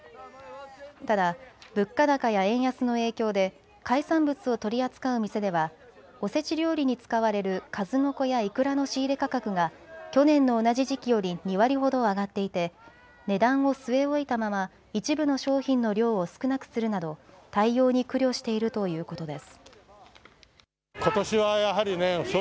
ただ物価高や円安の影響で海産物を取り扱う店ではおせち料理に使われるかずのこやいくらの仕入れ価格が去年の同じ時期より２割ほど上がっていて値段を据え置いたまま一部の商品の量を少なくするなど対応に苦慮しているということです。